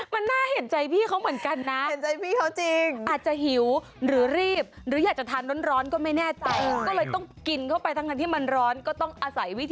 มันน่าเห็นใจพี่เขาเหมือนกันนะ